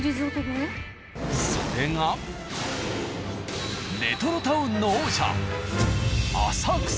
それがレトロタウンの王者。